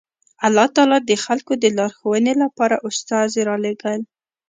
الله تعالی د خلکو د لارښوونې لپاره استازي رالېږل